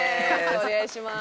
お願いします。